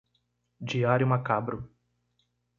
Diário macabro